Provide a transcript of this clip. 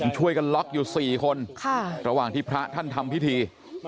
ช่วยกันล็อกอยู่๔คนระหว่างที่พระท่านทำพิธี